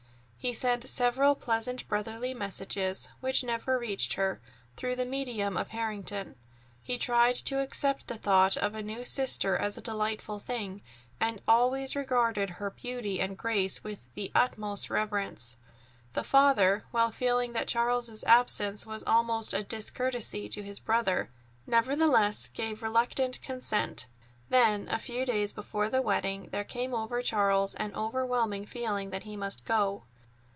He sent several pleasant brotherly messages—which never reached her—through the medium of Harrington. He tried to accept the thought of a new sister as a delightful thing, and always he regarded her beauty and grace with the utmost reverence. The father, while feeling that Charles's absence was almost a discourtesy to his brother, nevertheless gave reluctant consent. Then, a few days before the wedding, there came over Charles an overwhelming feeling that he must go.